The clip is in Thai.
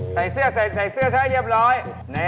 ซีดค่ะค่ะ